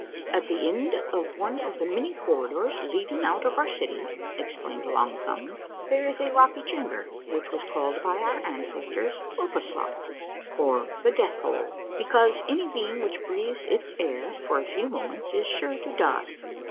" At the end of one of the many corridors leading out of our city," explained Long Thumbs, " there is a rocky chamber which was called by our ancestors Uphaslok, or the Death Hole, be cause any being which breathes its air for a few moments is sure to die.